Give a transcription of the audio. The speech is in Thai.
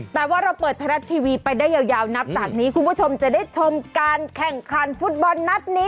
แต่ว่าเราเปิดไทยรัฐทีวีไปได้ยาวนับจากนี้คุณผู้ชมจะได้ชมการแข่งขันฟุตบอลนัดนี้